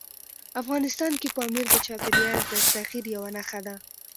افغانستان کې پامیر د چاپېریال د تغیر یوه نښه ده.